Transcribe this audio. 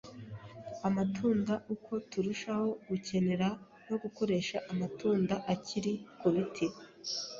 amatunda. Uko turushaho gukenera no gukoresha amatunda akiri ku biti,